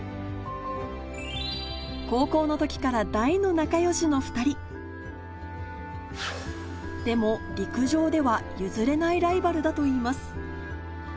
高校の時から大の仲良しの２人でも陸上では譲れないライバルだといいます